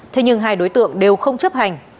thế nhưng hai đối tượng đều không chấp hành